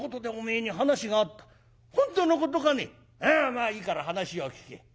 「ああまあいいから話を聞け。